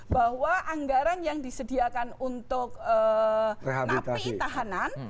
bahwa anggaran yang disediakan untuk napi tahanan